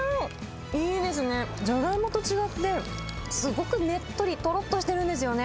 いいですね、ジャガイモと違って、すごくねっとり、とろっとしてるんですよね。